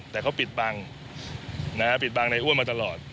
แต่เขาปิดบังปิดบังในอ้วนมาตลอด